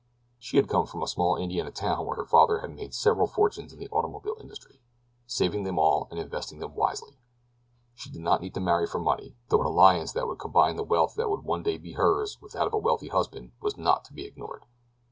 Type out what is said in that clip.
She had come from a small Indiana town where her father had made several fortunes in the automobile industry—saving them all and investing them wisely. She did not need to marry for money, though an alliance that would combine the wealth that would one day be hers with that of a wealthy husband was not to be ignored.